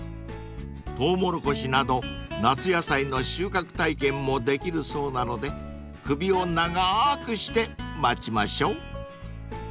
［トウモロコシなど夏野菜の収穫体験もできるそうなので首を長くして待ちましょう］